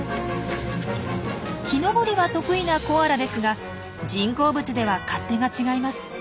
木登りは得意なコアラですが人工物では勝手が違います。